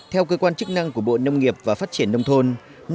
theo cơ quan chức năng của bộ nông nghiệp và phát triển nông thôn